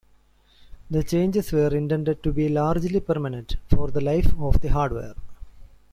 The changes were intended to be largely permanent for the life of the hardware.